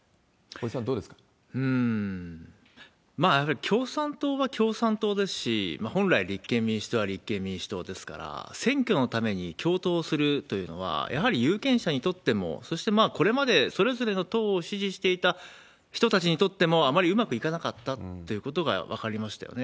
うーん、まあやはり共産党は共産党ですし、本来、立憲民主党は立憲民主党ですから、選挙のために共闘するというのは、やはり有権者にとっても、そしてこれまでそれぞれの党を支持していた人たちにとっても、あまりうまくいかなかったっていうことが分かりましたよね。